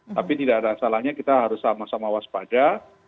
tapi tidak ada salahnya kita harus sama sama waspada